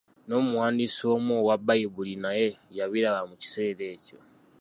N'omuwandiisi omu owa Bbayibuli naye yabiraba mu kiseera ekyo.